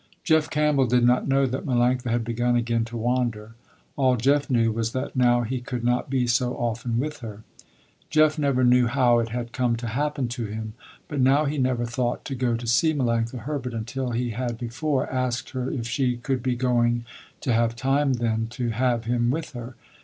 Jeff Campbell did not know that Melanctha had begun again to wander. All Jeff knew, was that now he could not be so often with her. Jeff never knew how it had come to happen to him, but now he never thought to go to see Melanctha Herbert, until he had before, asked her if she could be going to have time then to have him with her.